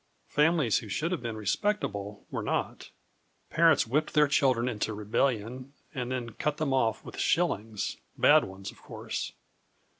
Families who should have been respectable were not. Parents whipped their children into rebellion and then cut them off with shillings bad ones, of course.